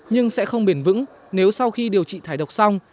nhưng sẽ không bền vững nếu sau khi điều trị thải độc xong